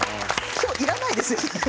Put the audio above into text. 今日いらないですよね。